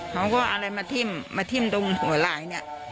เขาก็เอาอะไรมาทิ้มมาทิ้มตรงหัวไหล่เนี่ย